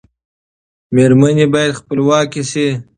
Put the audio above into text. میرمنې باید خپلواکې شي.